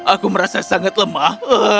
aku merasa sangat lemah